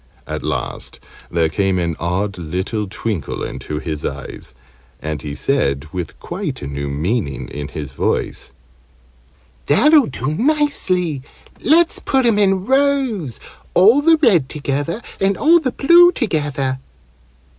At last there came an odd little twinkle into his eyes, and he said, with quite a new meaning in his voice, "That'll do nicely. Let's put 'em in rows all the red together, and all the blue together."